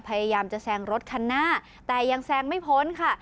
พยายามจะแซงรถคันหน้าแต่ยังแซงไม่พ้นค่ะ